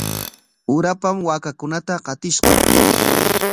Urapam waakakunata qatishqa.